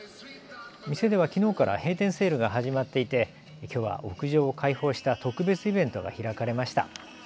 店ではきのうから閉店セールが始まっていてきょうは屋上を開放した特別イベントが開かれました。